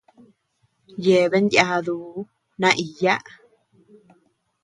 Yebean yáduu naiyaa.